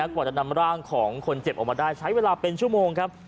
กว่าจะนำร่างของคนเจ็บออกมาได้ใช้เวลาเป็นชั่วโมงครับ